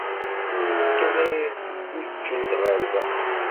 Seg melmi kan ay d-guǧǧent ɣer da.